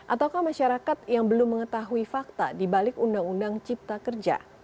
atau masyarakat yang belum mengetahui fakta di balik undang undang cipta kerja